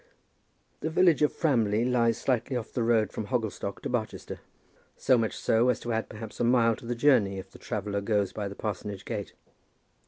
The village of Framley lies slightly off the road from Hogglestock to Barchester, so much so as to add perhaps a mile to the journey if the traveller goes by the parsonage gate.